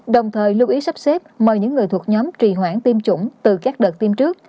đồng thời lưu ý sắp xếp mời những người thuộc nhóm trì hoãn tiêm chủng từ các đợt tiêm trước